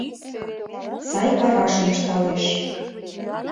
Сай карашым ышталеш.